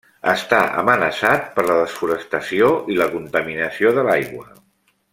Està amenaçat per la desforestació i la contaminació de l'aigua.